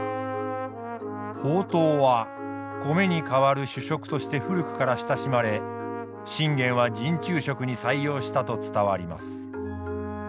ほうとうは米に代わる主食として古くから親しまれ信玄は陣中食に採用したと伝わります。